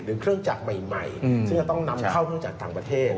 หรือเครื่องจักรใหม่ซึ่งจะต้องนำเข้าขึ้นจากต่างประเทศ